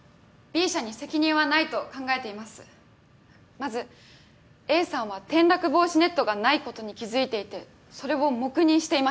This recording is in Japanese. まずＡさんは転落防止ネットがないことに気付いていてそれを黙認していました。